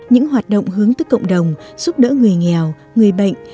các hoạt động hướng tức cộng đồng giúp đỡ người nghèo người bệnh